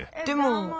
でも。